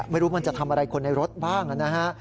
ไม่รู้มันจะทำอะไรคนในรถบ้างนะฮะ